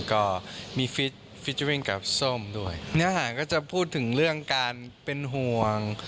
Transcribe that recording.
ก็มีฟิเจอร์วิ่งกับส้มด้วยเนื้อหาก็จะพูดถึงเรื่องการเป็นห่วง